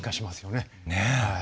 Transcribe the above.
ねえ。